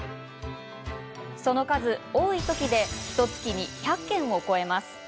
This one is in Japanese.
その数、多い時でひとつきに１００件を超えます。